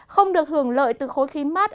không được hưởng lợi từ khối khí mát